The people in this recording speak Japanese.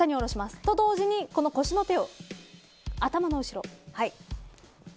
それと同時に腰の手を頭の後ろ。